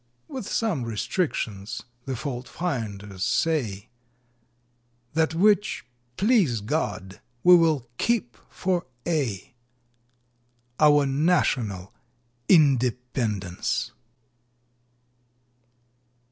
_ (With some restrictions, the fault finders say,) That which, please God, we will keep for aye Our National Independence!